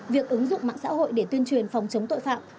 việc ứng dụng mạng xã hội để tuyên truyền phòng chống tội phạm